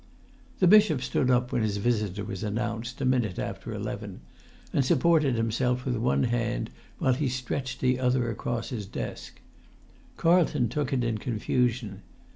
The bishop stood up when his visitor was announced, a minute after eleven, and supported himself with one hand while he stretched the other across his[Pg 67] desk. Carlton took it in confusion.